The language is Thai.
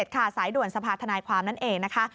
๑๑๖๗ค่ะสายด่วนสภาษณาความนั้นเองนะคะ